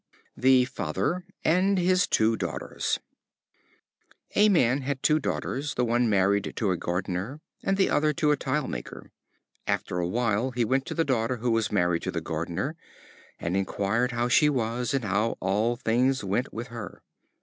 The Father and His Two Daughters. A man had two daughters, the one married to a gardener, and the other to a tile maker. After a time he went to the daughter who had married the gardener, and inquired how she was, and how all things went with her.